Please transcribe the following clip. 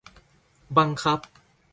บังคับ